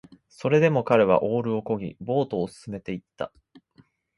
それでも彼はオールを漕ぎ、ボートを進めていった